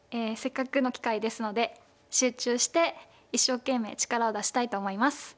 せっかくの機会ですので集中して一生懸命力を出したいと思います。